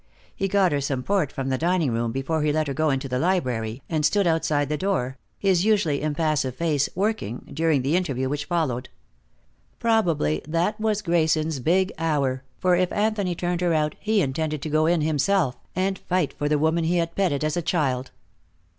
He got her some port from the dining room before he let her go into the library, and stood outside the door, his usually impassive face working, during the interview which followed. Probably that was Grayson's big hour, for if Anthony turned her out he intended to go in himself, and fight for the woman he had petted as a child.